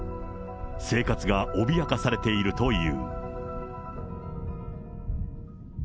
生活が脅かされているという。